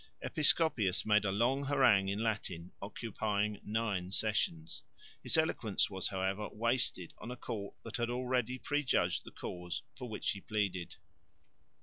Episcopius made a long harangue in Latin occupying nine sessions. His eloquence was, however, wasted on a court that had already prejudged the cause for which he pleaded.